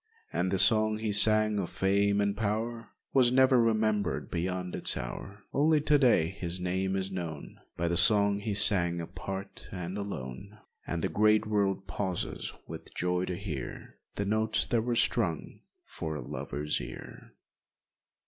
And the song he sang of fame and power Was never remembered beyond its hour! Only to day his name is known By the song he sang apart and alone, And the great world pauses with joy to hear The notes that were strung for a lover's ear.